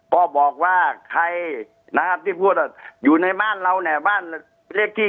ก็บอกว่าใครนะครับที่พูดว่าอยู่ในบ้านเราเนี่ยบ้านเลขที่